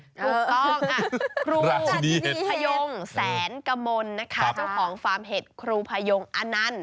ต้องค่ะครูพยงแสนกมลนะคะเจ้าของฟาร์มเห็ดครูพยงอันนั้น